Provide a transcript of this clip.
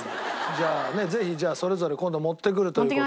じゃあねぜひそれぞれ今度持ってくるという事で。